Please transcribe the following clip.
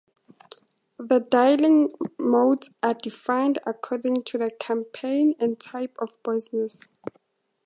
The dialing modes are defined according to the campaign and type of business.